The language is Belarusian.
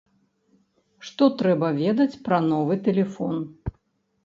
Што трэба ведаць пра новы тэлефон?